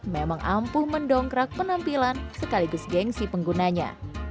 memang ampuh mendongkrak penampilan sekaligus gengsi penggunanya